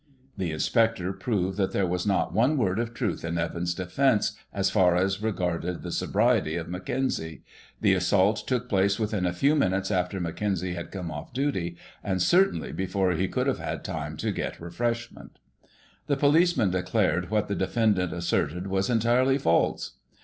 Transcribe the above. The Inspector proved that there was not one word of truth in Evans's defence as far as regarded the sobriety of Mac kenzie. The assault took place within a few minutes after Mackenzie had come off duty, and, certainly, before he could have time to get refreshment The policeman declared what the defendant asserted was entirely false.